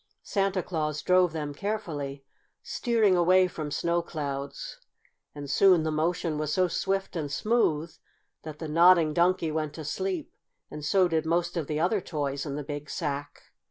Santa Claus drove them carefully, steering away from snow clouds, and soon the motion was so swift and smooth that the Nodding Donkey went to sleep, and so did most of the other toys in the big sack.